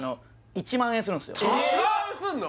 １万円すんの？